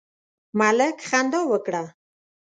ملک خندا وکړه.